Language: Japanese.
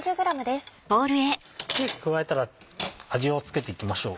加えたら味を付けていきましょう。